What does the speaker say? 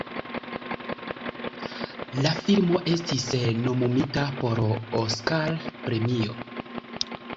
La filmo estis nomumita por Oskar-premio.